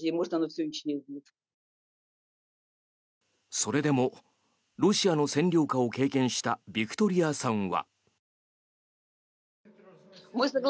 それでもロシアの占領下を経験したヴィクトリアさんは。